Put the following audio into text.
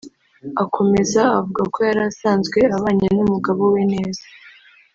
Akomeza avuga ko yari asanzwe abanye n’umugabo we neza